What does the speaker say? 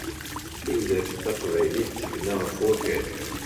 Tudert taqbaylit tebna ɣef wakal.